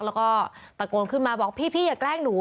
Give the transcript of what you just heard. แล้วก็ตะโกนขึ้นมาบอกพี่อย่าแกล้งหนู